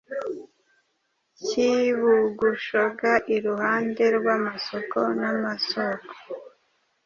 cyi bugushonga iruhande rw'amasoko n'amasoko